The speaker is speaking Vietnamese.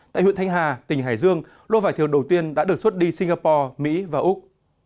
tại huyện thanh hà tỉnh hải dương lô vải thiều đầu tiên đã được xuất đi singapore mỹ và úc